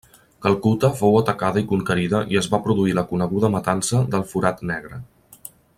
Calcuta fou atacada i conquerida i es va produir la coneguda matança del Forat Negre.